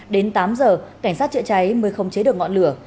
đến tám giờ cảnh sát chữa cháy mới không chế được ngọn lửa